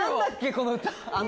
この歌。